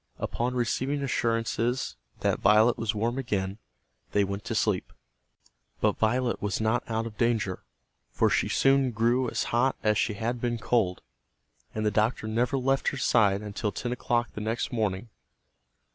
Upon receiving assurances that Violet was warm again, they went to sleep. But Violet was not out of danger, for she soon grew as hot as she had been cold. And the doctor never left her side until ten o'clock the next morning.